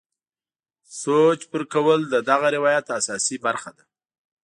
سوچ پرې کول د دغه روایت اساسي برخه ده.